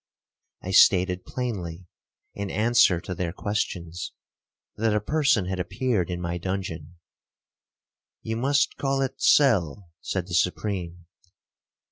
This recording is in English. I stated plainly, in answer to their questions, that a person had appeared in my dungeon. 'You must call it cell,' said the Supreme.